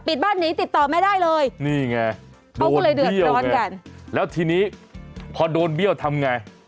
ปิดบ้านหนีติดต่อไม่ได้เลยโดนเบี้ยวไงแล้วทีนี้พอโดนเบี้ยวทำไง